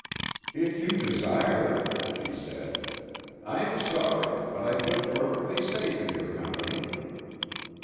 "If you desire it," she said, "I am sorry, but I feel perfectly safe in your company."